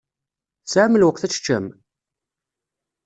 Tesɛam lweqt ad teččem?